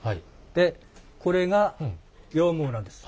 でこれが羊毛なんです。